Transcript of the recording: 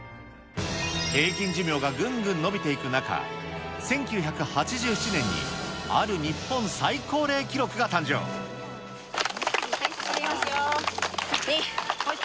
平均寿命がぐんぐん延びていく中、１９８７年に、はい、進みますよ。